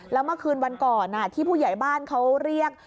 แล้วเมื่อคืนวันก่อนที่ผู้ใหญ่บ้านเขาเรียก